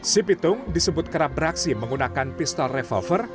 si pitung disebut kerap beraksi menggunakan pistol revolver